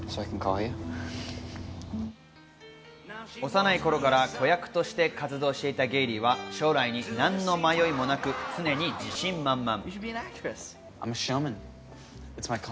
幼い頃から子役として活動していたゲイリーは将来に何の迷いもなく、常に自信満々。